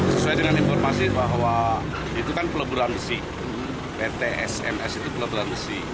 sesuai dengan informasi bahwa itu kan peleburan besi pt sms itu peleburan besi